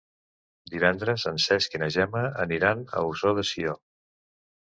Divendres en Cesc i na Gemma aniran a Ossó de Sió.